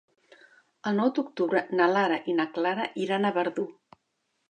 El nou d'octubre na Lara i na Clara iran a Verdú.